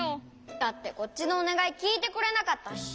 だってこっちのおねがいきいてくれなかったし。